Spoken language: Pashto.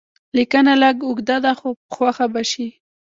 لیکنه لږ اوږده ده خو خوښه به شي.